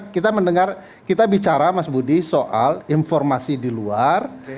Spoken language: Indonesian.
kan kita bicara mas budi soal informasi di luar